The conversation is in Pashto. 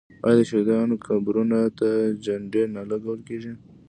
آیا د شهیدانو قبرونو ته جنډې نه لګول کیږي؟